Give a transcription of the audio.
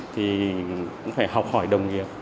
thì cũng phải học hỏi đồng nghiệp